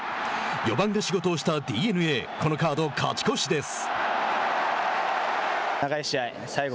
４番が仕事をしたＤｅＮＡこのカード勝ち越しです。